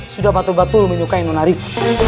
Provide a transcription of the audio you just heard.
sudah patuh patuh lo menyukai nona rif